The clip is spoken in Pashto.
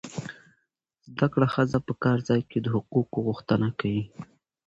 زده کړه ښځه په کار ځای کې د حقوقو غوښتنه کوي.